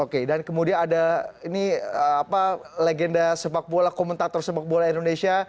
oke dan kemudian ada ini legenda sepak bola komentator sepak bola indonesia